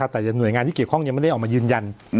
แต่หน่วยงานที่เกี่ยวข้องยังไม่ได้ออกมายืนยัน